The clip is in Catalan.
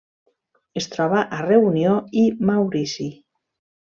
Es troba a Reunió i Maurici.